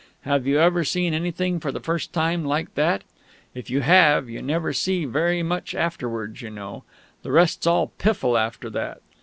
Have you ever seen anything for the first time like that? If you have, you never see very much afterwards, you know. The rest's all piffle after that.